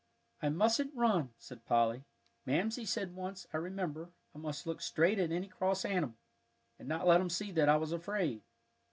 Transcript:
"I mustn't run," said Polly; "Mamsie said once, I remember, I must look straight at any cross animal, and not let 'em see that I was afraid."